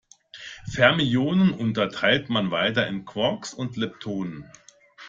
Fermionen unterteilt man weiter in Quarks und Leptonen.